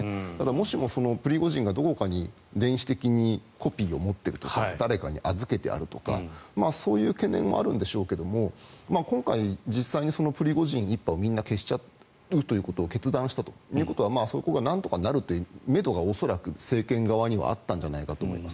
もしもプリゴジンが、どこかに電子的にコピーを持っているとか誰かに預けているとかそういう懸念もあるんでしょうが今回、実際にプリゴジン一派をみんな消しちゃうということを決断したということはそこがなんとかなるというめどが恐らく政権側にはあったんじゃないかと思います。